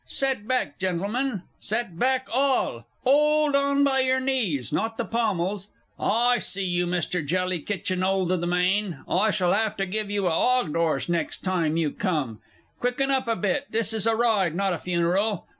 Set back, Gentlemen, set back all 'old on by your knees, not the pommels. I see you, Mr. Jelly, kitchin' old o' the mane I shall 'ave to give you a 'ogged 'orse next time you come. Quicken up a bit this is a ride, not a funeral.